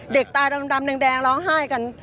ตาดำแดงร้องไห้กัน